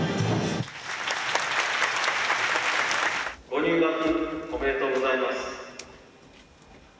ご入学おめでとうございます。